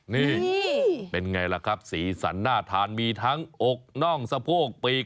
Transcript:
นี่เป็นไงล่ะครับสีสันน่าทานมีทั้งอกน่องสะโพกปีก